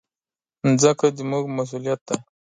مځکه زموږ مسؤلیت ده.